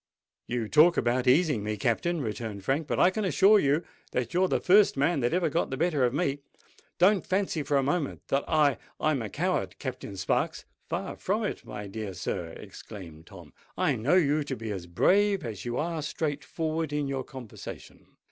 "You talk about easing me, Captain," returned Frank; "but I can assure you that you're the first man that ever got the better of me. Don't fancy for a moment that I—I'm a coward, Captain Sparks——" "Far from it, my dear sir," exclaimed Tom. "I know you to be as brave as you are straight forward in your conversation.